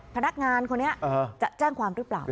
พนักงานคนนี้จะแจ้งความหรือเปล่า